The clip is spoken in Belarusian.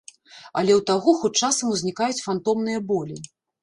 Але ў таго хоць часам узнікаюць фантомныя болі.